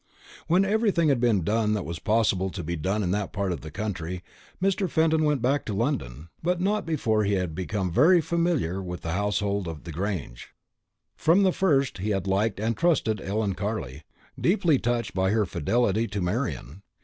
When everything had been done that was possible to be done in that part of the country, Mr. Fenton went back to London. But not before he had become very familiar with the household at the Grange. From the first he had liked and trusted Ellen Carley, deeply touched by her fidelity to Marian.